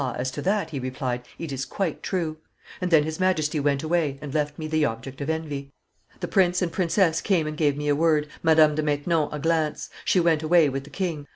as to that,' he replied, 'it is quite true.' And then his Majesty went away and left me the object of envy. The prince and princess came and gave me a word, Madame de Maintenon a glance; she went away with the king.